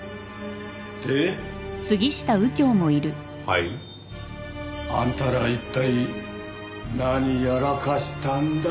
はい？あんたら一体何やらかしたんだ？